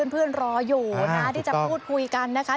รออยู่นะที่จะพูดคุยกันนะคะ